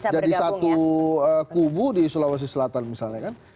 jadi satu kubu di sulawesi selatan misalnya kan